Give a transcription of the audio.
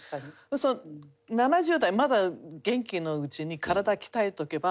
そう７０代まだ元気なうちに体鍛えておけば。